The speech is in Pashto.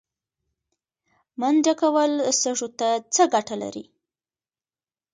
منډه کول سږو ته څه ګټه لري؟